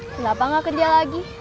kenapa gak kerja lagi